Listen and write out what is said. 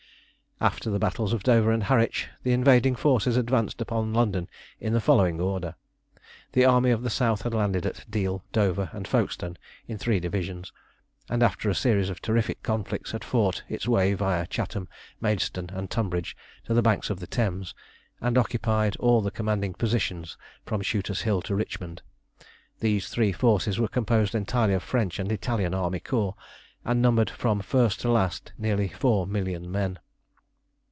After the battles of Dover and Harwich the invading forces advanced upon London in the following order: The Army of the South had landed at Deal, Dover, and Folkestone in three divisions, and after a series of terrific conflicts had fought its way viâ Chatham, Maidstone, and Tunbridge to the banks of the Thames, and occupied all the commanding positions from Shooter's Hill to Richmond. These three forces were composed entirely of French and Italian army corps, and numbered from first to last nearly four million men.